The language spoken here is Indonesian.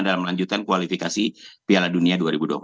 dalam melanjutkan kualifikasi piala dunia